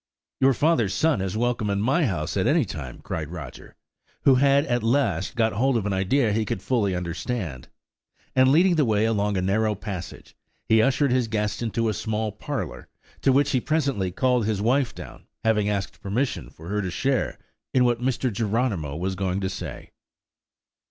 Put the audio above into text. "Your father's son is welcome in my house at any time!" cried Roger, who had at last got hold of an idea he could fully understand; and leading the way along a narrow passage, he ushered his guest into a small parlour, to which he presently called his wife down, having asked permission for her to share in what Mr. Geronimo was going to say.